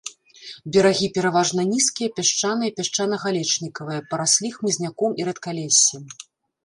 Берагі пераважна нізкія, пясчаныя і пясчана-галечнікавыя, параслі хмызняком і рэдкалессем.